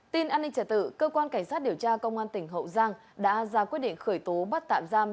tin an ninh trả tự cơ quan cảnh sát điều tra công an tỉnh hậu giang đã ra quyết định khởi tố bắt tạm giam